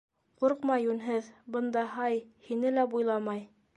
- Ҡурҡма, йүнһеҙ, бында һай, һине лә буйламай.